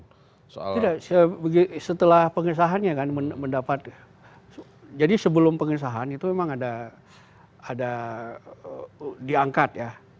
tidak setelah pengesahannya kan mendapat jadi sebelum pengesahan itu memang ada diangkat ya